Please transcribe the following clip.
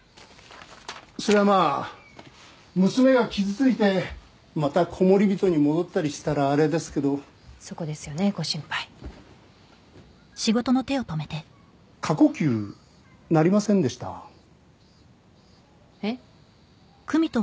そりゃまあ娘が傷ついてまたコモリビトに戻ったりしたらあれですけどそこですよねご心配過呼吸なりませんでしたえっ？